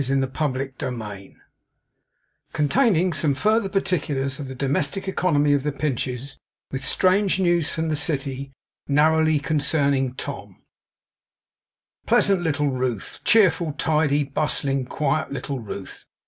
CHAPTER THIRTY NINE CONTAINING SOME FURTHER PARTICULARS OF THE DOMESTIC ECONOMY OF THE PINCHES; WITH STRANGE NEWS FROM THE CITY, NARROWLY CONCERNING TOM Pleasant little Ruth! Cheerful, tidy, bustling, quiet little Ruth!